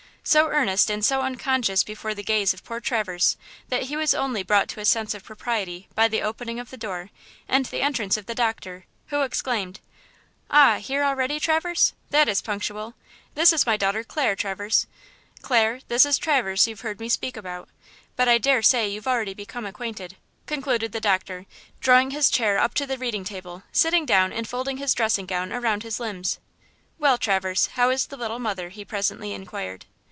So earnest and so unconscious became the gaze of poor Traverse that he was only brought to a sense of propriety by the opening of the door and the entrance of the doctor, who exclaimed: "Ah, here already, Traverse? That is punctual. This is my daughter Clara, Traverse; Clare, this is Traverse you've heard me speak about. But I daresay you've already become acquainted," concluded the doctor, drawing his chair up to the reading table, sitting down and folding his dressing gown around his limbs. "Well, Traverse, how is the little mother?" he presently inquired.